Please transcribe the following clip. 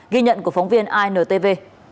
ghi nhận của phóng viên intv